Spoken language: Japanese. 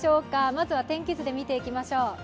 まずは天気図で見ていきましょう。